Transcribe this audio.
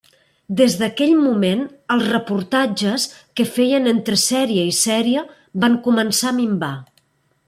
Des d'aquell moment, els reportatges que feien entre sèrie i sèrie, van començar a minvar.